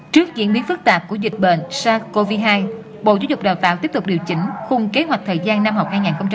trước diễn biến phức tạp của dịch bệnh sars cov hai bộ giáo dục đào tạo tiếp tục điều chỉnh khung kế hoạch thời gian năm học hai nghìn hai mươi hai nghìn hai mươi